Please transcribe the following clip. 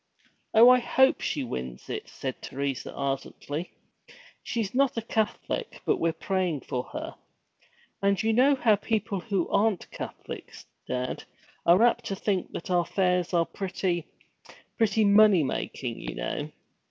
'Oh, I hope she wins it,' said Teresa ardently. 'She 's not a Catholic, but we're praying for her. And you know people who aren't Catholics, dad, are apt to think that our fairs are pretty pretty money making, you know!'